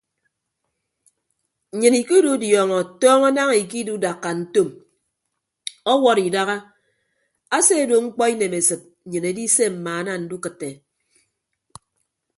Nnyịn ikidudiọñọ tọñọ naña ikidudakka ntom ọwọd idaha ase ado mkpọ inemesịd nnyịn edise mmaana ndukịtte.